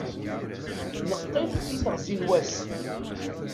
Neqqim i teɣzi n wass.